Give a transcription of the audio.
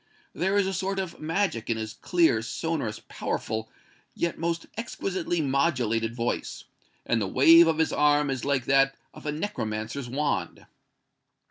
There is a sort of magic in his clear, sonorous, powerful, yet most exquisitely modulated voice, and the wave of his arm is like that of a necromancer's wand."